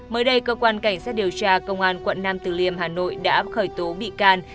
mới đây cơ quan cảnh sát điều tra công an quận nam từ liêm hà nội đã khởi tố bị can